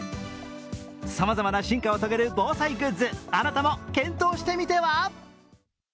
さまざまな進化を遂げる防災グッズ、あなたも検討してみては？